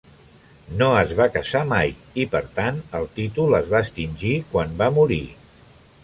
No es va casar mai i, per tant, el títol es va extingir quan va morir.